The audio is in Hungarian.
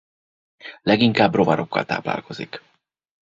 Leginkább rovarokkal táplálkozik.